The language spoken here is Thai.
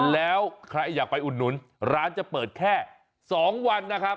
แล้วใครอยากไปอุดหนุนร้านจะเปิดแค่๒วันนะครับ